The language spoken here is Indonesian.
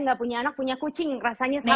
gak punya anak punya kucing rasanya sama